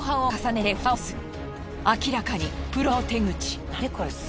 明らかにプロの手口。